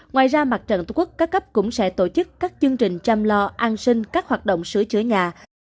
ngoài ra mặt trận tổ quốc các cấp cũng sẽ tổ chức các chương trình chăm lo an sinh các hoạt động sửa chữa nhà